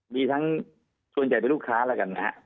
มีทั้งส่วนใหญ่เป็นลูกค้าแล้วกันนะฮะ